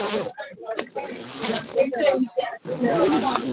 America cu ram pical a si.